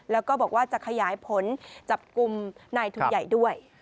แล้วก็บอกว่าจะขยายผลจับกลุ่มนายทุนใหญ่ด้วย